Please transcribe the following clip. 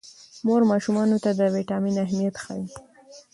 مور ماشومانو ته د ویټامین اهمیت ښيي.